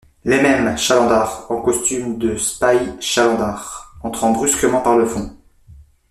Les Mêmes, Chalandard, en costume de spahi Chalandard , entrant brusquement par le fond.